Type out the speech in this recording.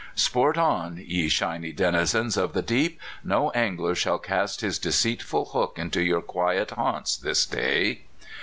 Sport on, ye shiny denizens of the deep ; no angler shall cast his deceitful hook into your quiet haunts this day.